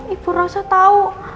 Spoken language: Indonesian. ibu rosa tau